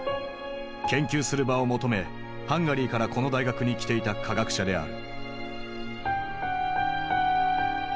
研究する場を求めハンガリーからこの大学に来ていた科学者である。